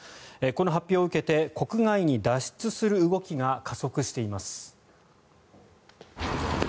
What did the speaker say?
この発表を受けて国外に脱出する動きが加速しています。